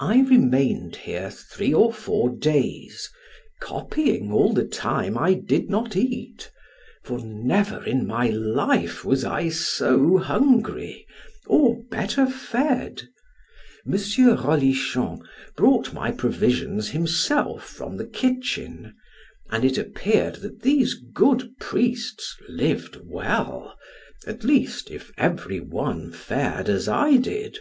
I remained here three or four days, copying all the time I did not eat, for never in my life was I so hungry, or better fed. M. Rolichon brought my provisions himself from the kitchen, and it appeared that these good priests lived well, at least if every one fared as I did.